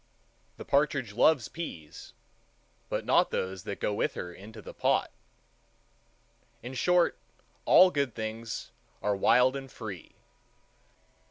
The partridge loves peas, but not those that go with her into the pot. In short, all good things are wild and free.